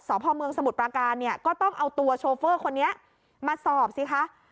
พ่อเมืองสมุทรปราการเนี่ยก็ต้องเอาตัวโชเฟอร์คนนี้มาสอบสิคะ